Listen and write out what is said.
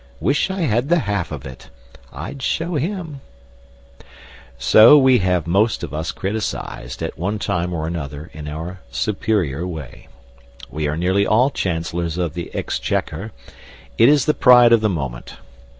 Wish I had the half of it! I'd show him " So we have most of us criticised, at one time or another, in our superior way. We are nearly all chancellors of the exchequer: it is the pride of the moment.